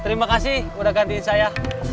terima kasih udah gantiin saya